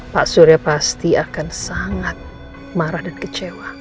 pak surya pasti akan sangat marah dan kecewa